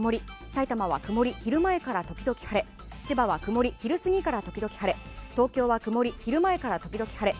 埼玉は曇り、昼前から時々晴れ千葉は曇り昼過ぎから時々晴れ東京は曇り昼前から時々晴れ。